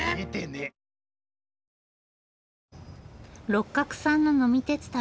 六角さんの呑み鉄旅